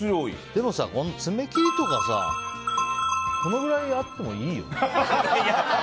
でもさ、爪切りとかこのくらいあってもいいよね。